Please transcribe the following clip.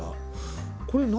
これ何？